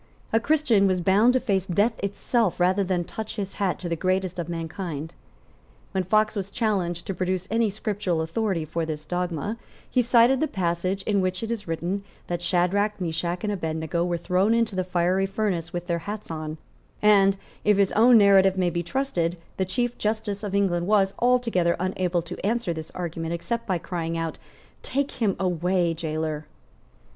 A Christian was bound to face death itself rather than touch his hat to the greatest of mankind. When Fox was challenged to produce any Scriptural authority for this dogma, he cited the passage in which it is written that Shadrach, Meshech and Abednego were thrown into the fiery furnace with their hats on; and, if his own narrative may be trusted, the Chief Justice of England was altogether unable to answer this argument except by crying out, "Take him away, gaoler."